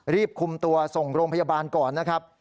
รีบคุมตัวส่งโรงพยาบาลก่อนนะครับ